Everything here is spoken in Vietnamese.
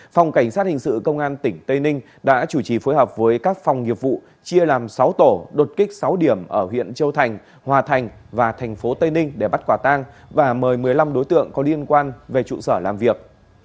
phòng cảnh sát hình sự công an tỉnh tây ninh đã chủ trì phối hợp với các phòng nghiệp vụ chia làm sáu tổ đột kích sáu điểm ở huyện châu thành hòa thành và thành phố tây ninh để bắt quả tang và mời một mươi năm đối tượng có liên quan về trụ sở làm việc